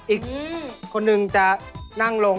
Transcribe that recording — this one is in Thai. อีกคนนึงจะนั่งลง